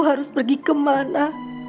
harus pergi kemana